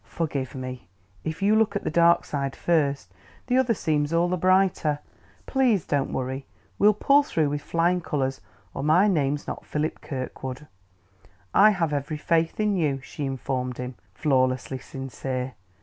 "Forgive me. If you look at the dark side first, the other seems all the brighter. Please don't worry; we'll pull through with flying colors, or my name's not Philip Kirkwood!" "I have every faith in you," she informed him, flawlessly sincere.